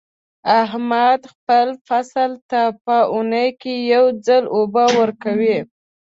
احمد خپل فصل ته په اونۍ کې یو ځل اوبه ورکوي.